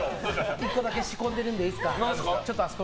１個だけ仕込んでるんでいいですか。